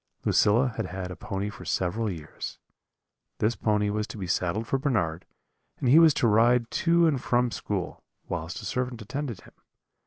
] "Lucilla had had a little pony for several years; this pony was to be saddled for Bernard, and he was to ride to and from school, whilst a servant attended him.